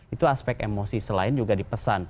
itu aspek emosi selain juga di pesan